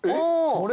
それ？